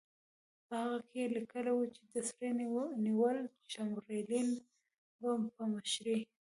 په هغه کې یې لیکلي وو چې د سر نیویل چمبرلین په مشرۍ.